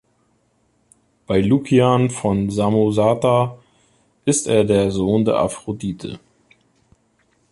Bei Lukian von Samosata ist er der Sohn der Aphrodite.